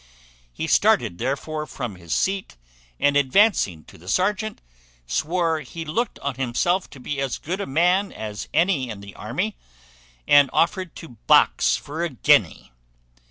He started therefore from his seat, and, advancing to the serjeant, swore he looked on himself to be as good a man as any in the army, and offered to box for a guinea.